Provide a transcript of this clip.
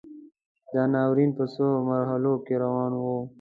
دا ناورین په څو مرحلو کې روان و.